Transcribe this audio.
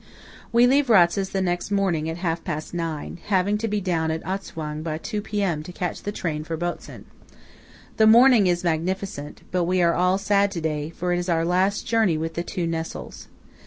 We leave Ratzes the next morning at half past nine, having to be down at Atzwang by two P.M. to catch the train for Botzen. The morning is magnificent; but we are all sad to day, for it is our last journey with the two Nessols.